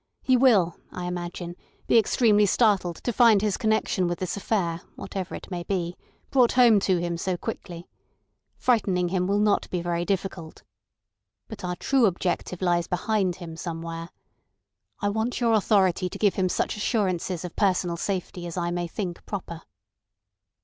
He will, I imagine, be extremely startled to find his connection with this affair, whatever it may be, brought home to him so quickly. Frightening him will not be very difficult. But our true objective lies behind him somewhere. I want your authority to give him such assurances of personal safety as I may think proper."